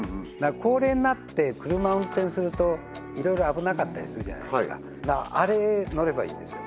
高齢になって車を運転するといろいろ危なかったりするじゃないですかだからあれ乗ればいいんですよ